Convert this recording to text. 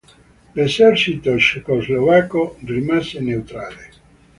L'esercito cecoslovacco rimase neutrale.